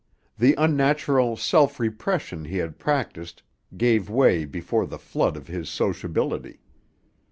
The unnatural self repression he had practiced gave way before the flood of his sociability.